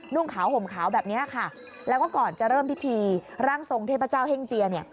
่งขาวห่มขาวแบบนี้ค่ะแล้วก็ก่อนจะเริ่มพิธีร่างทรงเทพเจ้าเฮ่งเจียเนี่ย